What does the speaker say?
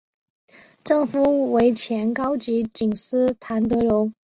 丈夫为前高级警司谭德荣。